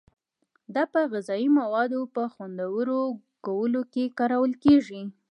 دا په غذایي موادو په خوندور کولو کې کارول کیږي.